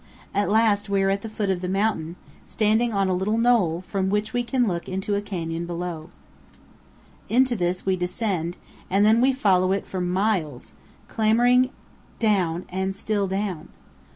At last we are at the foot of the mountain, standing on a little knoll, from which we can look into a canyon below. THE RIO VIRGEN AND THE UINKARET MOUNTAINS. 313 Into this we descend, and then we follow it for miles, clambering down and still down.